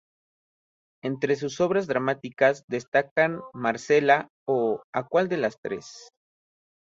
Entre sus obras dramáticas destacan "Marcela, o ¿a cuál de las tres?